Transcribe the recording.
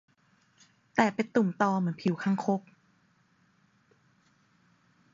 แต่เป็นตุ่มตอเหมือนผิวคางคก